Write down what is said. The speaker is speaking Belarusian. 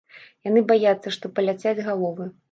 Яны баяцца, што паляцяць галовы.